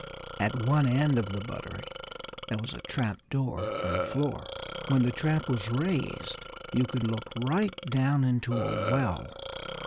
At one end of the buttery there was a trap door in the floor. When the trap was raised you could look right down into a well.